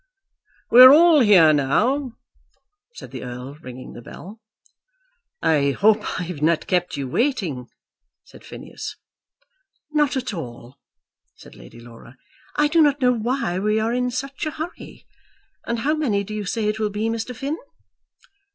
"We are all here now," said the Earl, ringing the bell. "I hope I've not kept you waiting," said Phineas. "Not at all," said Lady Laura. "I do not know why we are in such a hurry. And how many do you say it will be, Mr. Finn?"